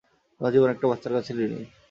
তোমার জীবন একটা বাচ্চার কাছে ঋনী।